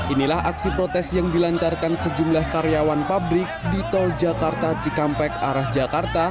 inilah aksi protes yang dilancarkan sejumlah karyawan pabrik di tol jakarta cikampek arah jakarta